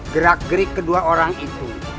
gerak gerik kedua orang itu